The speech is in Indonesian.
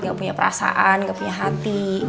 gak punya perasaan gak punya hati